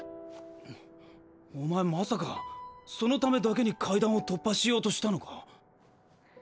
なお前まさかそのためだけに階段を突破しようとしたのか？